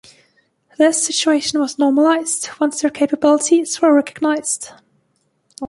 This situation was normalised once their capabilities were recognised.